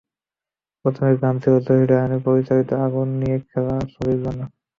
প্রথম গান ছিল জহির রায়হান পরিচালিত আগুন নিয়ে খেলা ছবির জন্য।